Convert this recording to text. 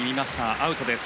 アウトです。